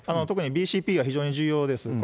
特にＤＣＰが非常に重要です。